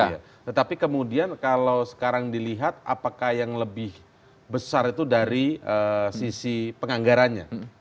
iya tetapi kemudian kalau sekarang dilihat apakah yang lebih besar itu dari sisi penganggarannya